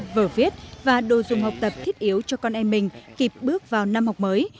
vở viết và đồ dùng học tập thiết yếu cho con em mình kịp bước vào năm học mới